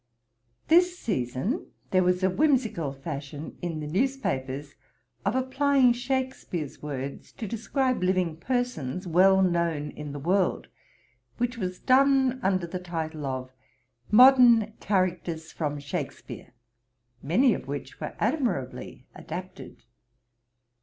This season there was a whimsical fashion in the newspapers of applying Shakspeare's words to describe living persons well known in the world; which was done under the title of Modern Characters from Shakspeare; many of which were admirably adapted.